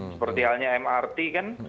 seperti halnya mrt kan